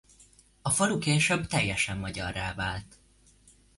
A falu később teljesen magyarrá vált.